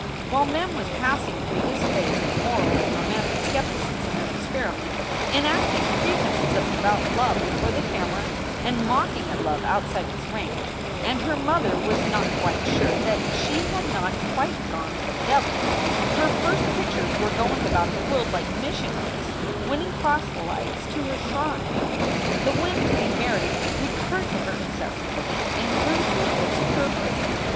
While Mem was passing through this phase of moral and romantic skepticism and experiment, enacting pretenses of devout love before the camera and mocking at love outside its range, and her mother was not quite sure that she had not quite gone to the devil, her first pictures were going about the world like missionaries winning proselytes to her shrine. The whim to be married recurred to her incessantly and grew to a fixed purpose.